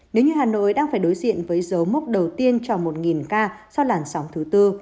nếu như hà nội đang phải đối diện với dấu mốc đầu tiên trò một ca do làn sóng thứ tư